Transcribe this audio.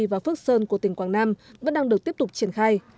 và phước sơn của tỉnh quảng nam vẫn đang được tiếp tục triển khai